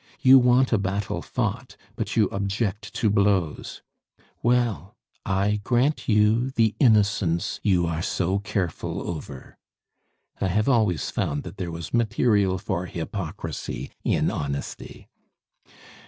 You want a battle fought, but you object to blows. Well, I grant you the innocence you are so careful over. I have always found that there was material for hypocrisy in honesty!